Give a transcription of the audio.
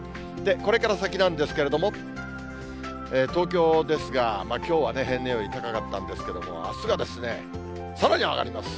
これから先なんですけれども、東京ですが、きょうはね、平年より高かったんですけれども、あすがさらに上がります。